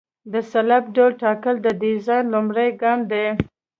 د سلب ډول ټاکل د ډیزاین لومړی ګام دی